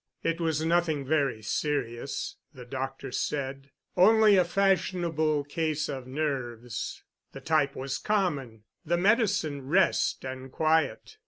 It was nothing very serious, the doctor said—only a fashionable case of nerves. The type was common, the medicine rest and quiet.